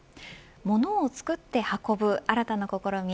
物を作って運ぶ新たな試み